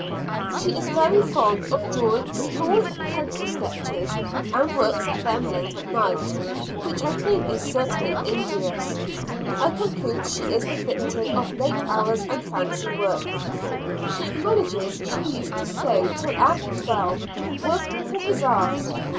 She is very fond of drawing small pencil sketches, and works at them late at night, which I think is certainly injurious. I conclude she is the victim of late hours and fancy work; she acknowledges she used to sew until after twelve, working for bazaars.